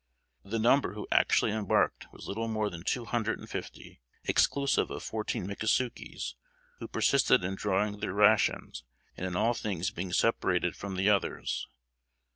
The number who actually embarked was little more than two hundred and fifty, exclusive of fourteen Mickasukies, who persisted in drawing their rations, and in all things being separated from the others.